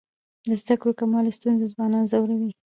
د زده کړو د کموالي ستونزه ځوانان ځوروي.